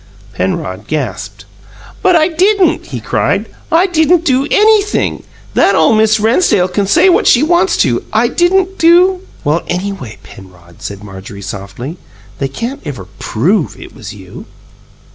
Penrod gasped. "But I DIDN'T!" he cried. "I didn't do ANYTHING! That ole Miss Rennsdale can say what she wants to, I didn't do " "Well, anyway, Penrod," said Marjorie, softly, "they can't ever PROVE it was you."